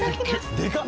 でかっ！